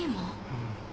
うん。